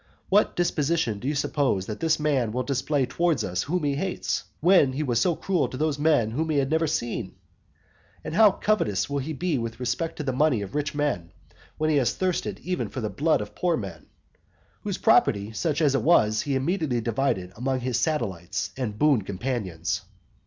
What disposition do you suppose that this man will display towards us whom he hates, when he was so cruel to those men whom he had never seen? And how covetous will he be with respect to the money of rich men, when he thirsted for even the blood of poor men? whose property, such as it was, he immediately divided among his satellites and boon companions.